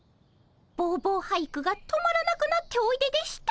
ぼうぼう俳句が止まらなくなっておいででした。